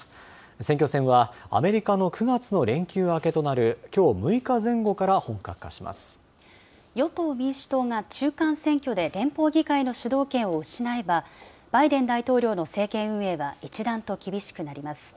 選挙戦はアメリカの９月の連休明けとなるき与党・民主党が中間選挙で連邦議会の主導権を失えば、バイデン大統領の政権運営は一段と厳しくなります。